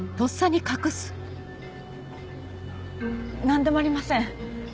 何でもありません。